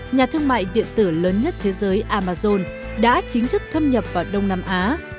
nhà thương mại điện tử lớn nhất thế giới amazon đã chính thức thâm nhập vào đông nam á